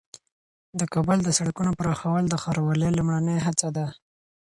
د کابل د سړکونو پراخول د ښاروالۍ لومړنۍ هڅه ده.